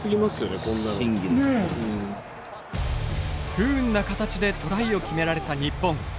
不運な形でトライを決められた日本。